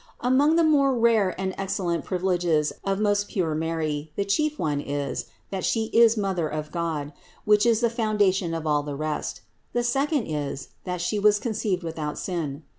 578. Among the more rare and excellent privileges of most pure Mary, the chief one is, that She is Mother of God, which is the foundation of all the rest. The second is, that She was conceived without sin.